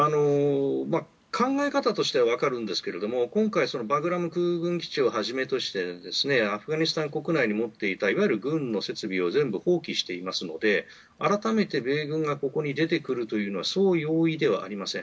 考え方としては分かるんですけれども今回、バグラム空軍基地をはじめとしてアフガニスタン国内に持っていたいわゆる軍の設備を全て放棄していますので改めて米軍がここに出てくるというのはそう容易ではありません。